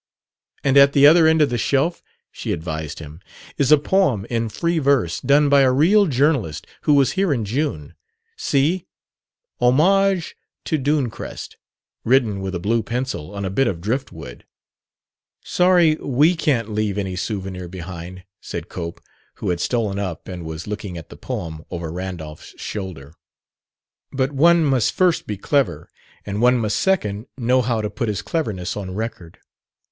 "And at the other end of the shelf," she advised him, "is a poem in free verse, done by a real journalist who was here in June. See: 'Homage to Dunecrest' written with a blue pencil on a bit of driftwood." "Sorry we can't leave any souvenir behind," said Cope, who had stolen up and was looking at the "poem" over Randolph's shoulder. "But one must (first) be clever; and one must (second) know how to put his cleverness on record."